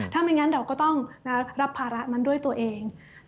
ถ้าไม่งั้นเราก็ต้องรับภาระนั้นด้วยตัวเอง